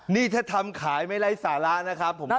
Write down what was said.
นี่ถ้าทำขายไม่ไร้สาระนะครับผม